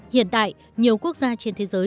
hiện tại nhiều quốc gia trên thế giới